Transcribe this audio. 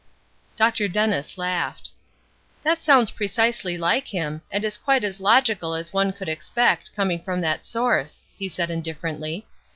Dr. Dennis laughed. "That sounds precisely like him, and is quite as logical as one could expect, coming from that source," he said, indifferently.